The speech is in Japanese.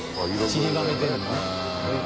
ちりばめてるのね。